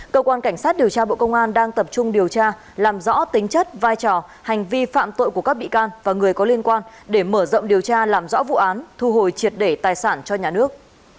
cơ quan cảnh sát điều tra bộ công an đang tập trung điều tra làm rõ tính chất vai trò hành vi phạm tội của các bị can và người có liên quan để mở rộng điều tra làm rõ vụ án thu hồi triệt để tài sản cho nhà nước